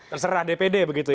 terserah dpd begitu ya